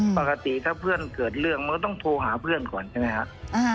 ปกติถ้าเพื่อนเกิดเรื่องมันก็ต้องโทรหาเพื่อนก่อนใช่ไหมครับ